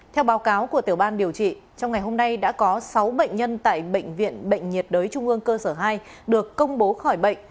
theo báo cáo của tiểu ban điều trị trong ngày hôm nay đã có sáu bệnh nhân tại bệnh viện bệnh nhiệt đới trung ương cơ sở hai được công bố khỏi bệnh